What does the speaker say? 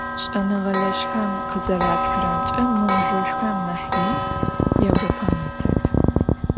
Ş'enığelejxem khızeratxıremç'e, mı mızjoşşxom nah yin Yêvropem yitep.